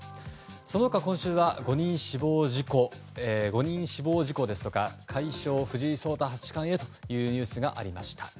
その他今週は５人死亡事故ですとか快勝、藤井聡太八冠へというニュースがありました。